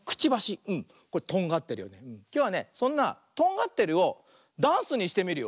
きょうはねそんな「とんがってる」をダンスにしてみるよ。